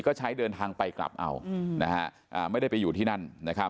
ก็ใช้เดินทางไปกลับเอาไม่ได้ไปอยู่ที่นั่น